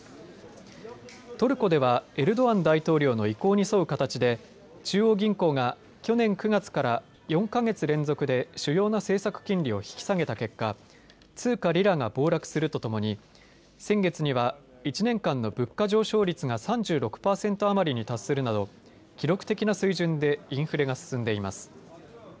トルコではエルドアン大統領の意向に沿う形で中央銀行が去年９月から４か月連続で主要な政策金利を引き下げた結果、通貨リラが暴落するとともに先月には１年間の物価上昇率が３６％余りに達するなど記録的な水準でインフレが進んでいます。